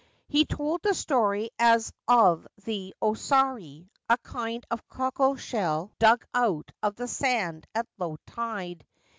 He told the story as of the osari, a kind of cockle shell dug out of the sand at low tide.